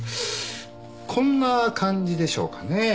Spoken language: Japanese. こんな感じでしょうかね。